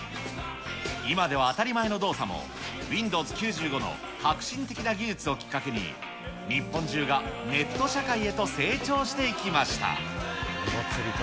今では当たり前の動作も、ウインドウズ９５の革新的な技術をきっかけに、日本中がネット社会へと成長していきました。